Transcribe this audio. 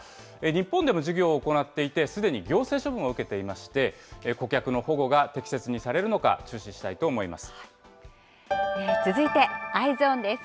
日本でも事業を行っていて、すでに行政処分を受けていまして、顧客の保護が適切にされるのか、続いてＥｙｅｓｏｎです。